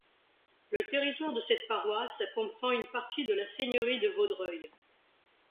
Le territoire de cette paroisse comprend une partie de la seigneurie de Vaudreuil.